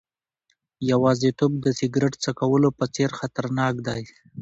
یوازیتوب د سیګریټ څکولو په څېر خطرناک دی.